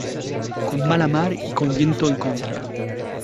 con mala mar y con viento en contra